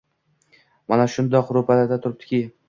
Mana shundoq ro‘parada turibdi-ku